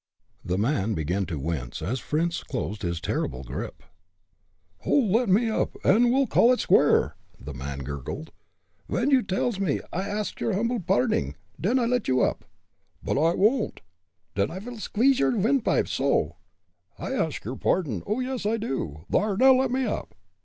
The man began to wince as Fritz closed his terrible gripe. "Oh, let me up, an' we'll call et squar'," the man gurgled. "Ven you dells me 'I ax your humble parding' den I let you up!" "But I won't!" "Den I vil squeeze your windpipe, so!" "I ask your pardon. Oh! yes, I do. Thar, now, let me up!"